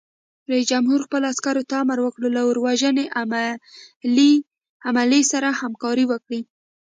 رئیس جمهور خپلو عسکرو ته امر وکړ؛ له اور وژنې عملې سره همکاري وکړئ!